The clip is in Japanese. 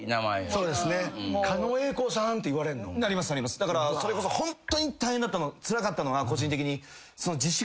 だからそれこそホントに大変だったのつらかったのが個人的に。